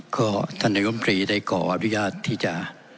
ก็ท่านนายกรรมตรีได้ขออนุญาตที่จะ